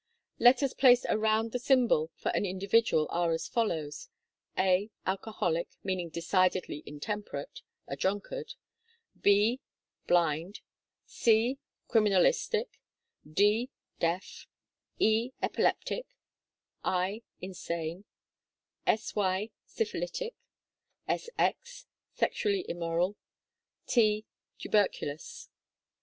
Letters placed around the symbol for an individual are as follows : A Alcoholic, meaning decidedly in temperate, a drunkard; B Blind; C Criminalistic ; D Deaf; E Epileptic ; I Insane; Sy Syphilitic; Sx Sexually immoral ; T Tuberculous.